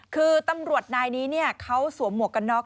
คือตำรวจนายนี้เขาสวมหมวกกันน็อก